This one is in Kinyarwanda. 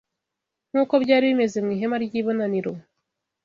nk’uko byari bimeze mu ihema ry’ibonaniro